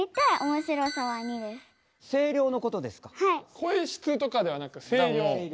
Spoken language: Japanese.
声質とかではなく声量？